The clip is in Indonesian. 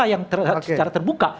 yang secara terbuka